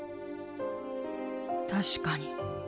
確かに。